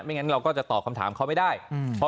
งั้นเราก็จะตอบคำถามเขาไม่ได้อืม